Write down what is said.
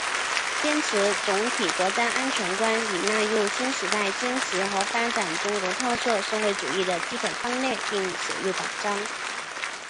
坚持总体国家安全观已纳入新时代坚持和发展中国特色社会主义的基本方略并写入党章